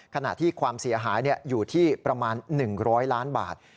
ขณะที่ความเสียหายอยู่ที่ประมาณ๑๐๐ล้านบาท